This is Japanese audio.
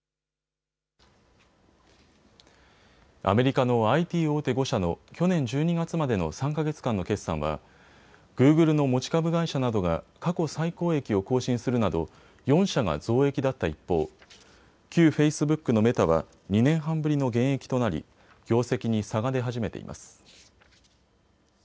アメリカのＩＴ大手５社の去年１２月までの３か月間の決算はグーグルの持ち株会社などが過去最高益を更新するなど４社が増益だった一方、旧フェイスブックのメタは２年半ぶりの減益となり業績に差が出始めています。